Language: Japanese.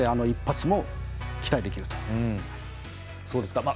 一発も期待できます。